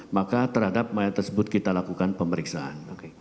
maka terhadap mayat tersebut kita lakukan pemeriksaan